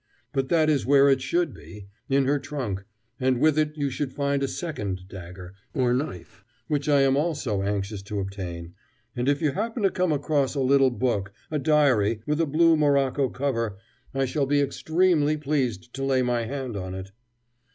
But that is where it should be, in her trunk, and with it you should find a second dagger, or knife, which I am also anxious to obtain, and if you happen to come across a little book, a diary, with a blue morocco cover, I shall be extremely pleased to lay my hand on it."